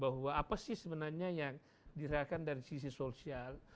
bahwa apa sih sebenarnya yang dirayakan dari sisi sosial